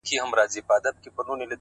• چي كوڅې يې وې ښايستې په پېغلو حورو,